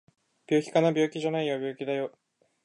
病気かな？病気じゃないよ病気だよ